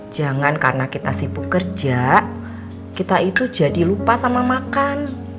jangan karena kita sibuk kerja kita itu jadi lupa sama makan